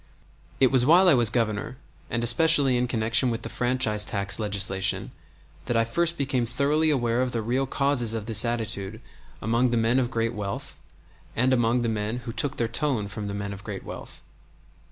It was while I was Governor, and especially in connection with the franchise tax legislation, that I first became thoroughly aware of the real causes of this attitude among the men of great wealth and among the men who took their tone from the men of great wealth.